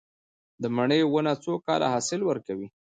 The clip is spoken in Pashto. د مڼې ونه څو کاله حاصل ورکوي؟